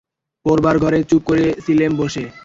পড়বার ঘরে চুপ করে ছিলেম বসে।